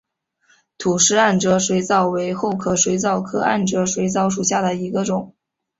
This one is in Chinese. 吐氏暗哲水蚤为厚壳水蚤科暗哲水蚤属下的一个种。